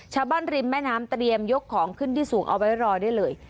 ริมแม่น้ำเตรียมยกของขึ้นที่สูงเอาไว้รอได้เลย